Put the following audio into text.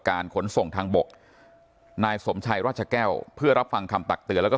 ขนส่งทางบกนายสมชัยราชแก้วเพื่อรับฟังคำตักเตือนแล้วก็